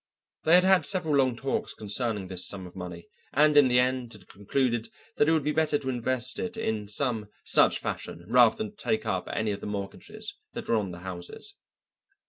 They had had several long talks concerning this sum of money, and in the end had concluded that it would be better to invest it in some such fashion rather than to take up any of the mortgages that were on the houses.